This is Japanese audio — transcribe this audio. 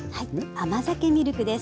甘酒ミルクです。